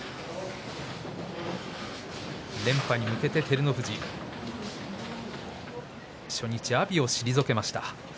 連覇に向けて照ノ富士初日、阿炎を退けました。